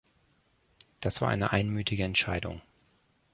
Das war eine einmütige Entscheidung.